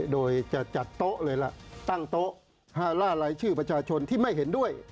โดยจะจัดโต๊ะเลยล่ะตั้งโต๊ะล่าลายชื่อประชาชนที่ไม่เห็นด้วย